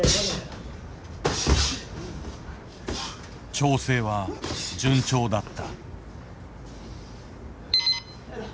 調整は順調だった。